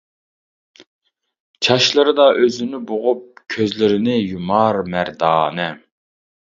چاچلىرىدا ئۆزىنى بوغۇپ، كۆزلىرىنى يۇمار مەردانە.